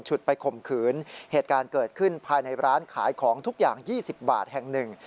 ไปข่มขืนเหตุการณ์เกิดขึ้นภายในร้านขายของทุกอย่าง๒๐บาทแห่งหนึ่ง